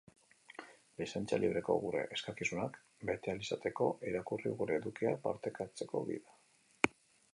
Lizentzia libreko gure eskakizunak bete ahal izateko, irakurri gure edukiak partekatzeko gida.